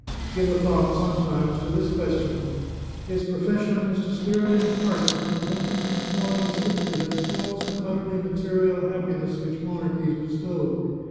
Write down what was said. " Give a thought, sometimes, to this question : His pro fession is to stir men's hearts, and prevent them from falling asleep in that false and utterly material happiness which monarchies bestow.